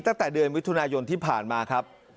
ตั้งแต่เดือนมิถุนายนที่ผ่านมาครับ